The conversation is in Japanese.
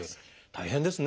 大変ですね。